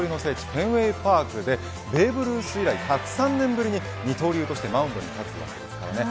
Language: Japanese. フェンウェイパークでベーブ・ルース以来１０３年ぶりに、二刀流としてマウントに立つわけです。